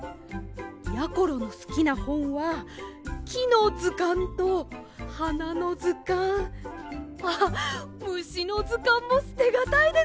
やころのすきなほんはきのずかんとはなのずかんあっむしのずかんもすてがたいですね。